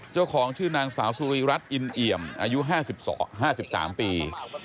เจ้าของชื่อนางสาวสุรีรัฐอินเอี่ยมอายุ๕๓ปี